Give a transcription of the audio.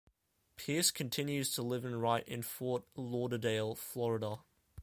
Pearce continues to live and write in Fort Lauderdale, Florida.